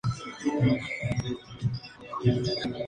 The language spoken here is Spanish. Este convento contaba con un colegio.